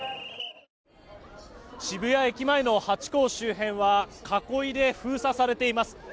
渋谷駅前のハチ公周辺は囲いで封鎖されています。